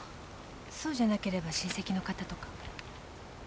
そうじゃなければ親戚の方とか。